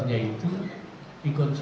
nanti hasil istiqorohnya itu